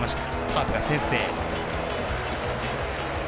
カープが先制。